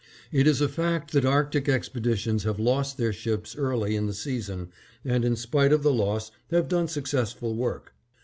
It is a fact that Arctic expeditions have lost their ships early in the season and in spite of the loss have done successful work.